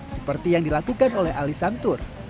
seperti yang dilakukan oleh ali santur